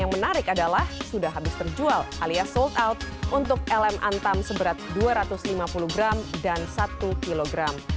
yang menarik adalah sudah habis terjual alias sold out untuk elem antam seberat dua ratus lima puluh gram dan satu kg